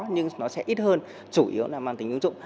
nhưng nó sẽ ít hơn chủ yếu là mang tính ứng dụng